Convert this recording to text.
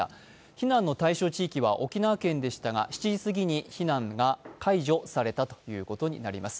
避難の対象地域は沖縄県でしたが７時過ぎに避難が解除されたということになります。